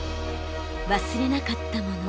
忘れなかったもの。